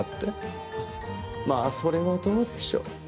まあそれはどうでしょう。